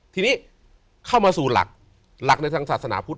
ทีนี้เข้ามาสู่หลักในทางศาสนาพุทธ